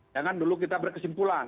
jangan dulu kita berkesimpulan